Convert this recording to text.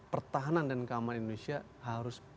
pertahanan dan keamanan indonesia harus